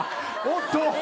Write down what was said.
おっと？